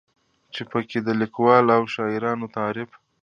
چې پکې د ليکوالو او شاعرانو تعارف